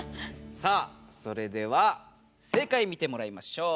さあそれでは正解見てもらいましょう。